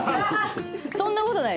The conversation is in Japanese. そんなことない。